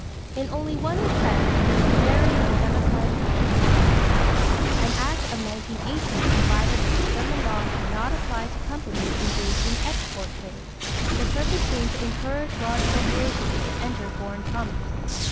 In only one respect was the severity of the Democratic policy relaxed. An act of 1918 provided that the Sherman law should not apply to companies engaged in export trade, the purpose being to encourage large corporations to enter foreign commerce.